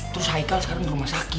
terus haikal sekarang di rumah sakit